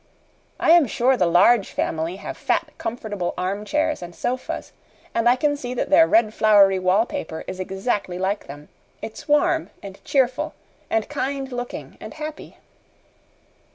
I am sure the Large Family have fat, comfortable armchairs and sofas, and I can see that their red flowery wallpaper is exactly like them. It's warm and cheerful and kind looking and happy."